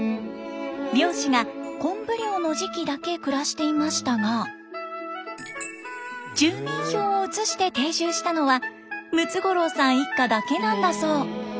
漁師が昆布漁の時期だけ暮らしていましたが住民票を移して定住したのはムツゴロウさん一家だけなんだそう。